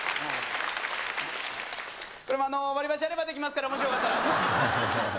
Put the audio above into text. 割り箸あればできますから、もしよかったら。